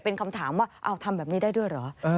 เป็นคำถามว่าทำแบบนี้ได้ด้วยเหรอ